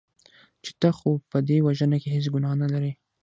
چې ته خو په دې وژنه کې هېڅ ګناه نه لرې .